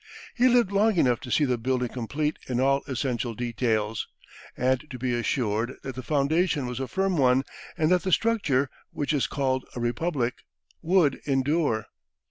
He lived long enough to see the building complete in all essential details, and to be assured that the foundation was a firm one and that the structure, which is called a Republic, would endure.